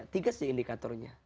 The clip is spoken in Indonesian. tiga sih indikatornya